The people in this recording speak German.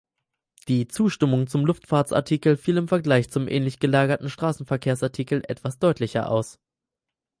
Die Zustimmung zum Luftfahrtsartikel fiel im Vergleich zum ähnlich gelagerten Strassenverkehrsartikel etwas deutlicher aus.